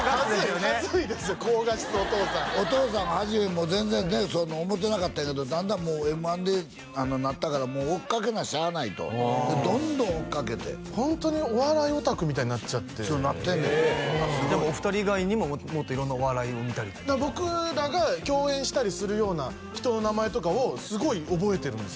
高画質お父さんお父さんはじめもう全然ねそんな思ってなかったんやけどだんだんＭ−１でなったから追っかけなしゃあないとどんどん追っかけてホントにお笑いオタクみたいになっちゃってそうなってんねんじゃあお二人以外にももっと色んなお笑いを見たり僕らが共演したりするような人の名前とかをすごい覚えてるんですよ